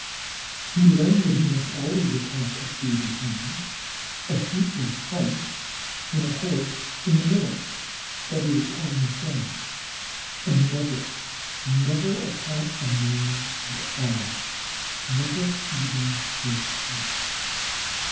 He learned that he must always attack a Steer behind, a Sheep in front, and a Horse in the middle, that is, on the flank, and never, never attack a man at all, never even face him.